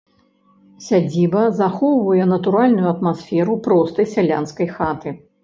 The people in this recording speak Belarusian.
Сядзіба захоўвае натуральную атмасферу простай сялянскай хаты.